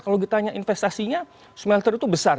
kalau ditanya investasinya smell ter itu besar